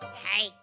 はい。